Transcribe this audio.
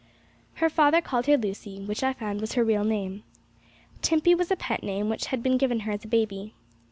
Her father called her Lucy, which I found was her real name. Timpey was a pet name, which had been given her as a baby.